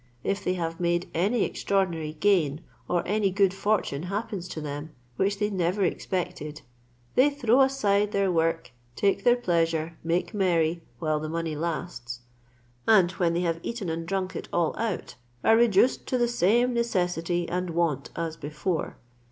If they have made any extraordinary gain, or any good fortune happens to them, which they never expected, they throw aside their work, take their pleasure, make merry, while the money lasts; and when they have eaten and drunk it all out, are reduced to the same necessity and want as before.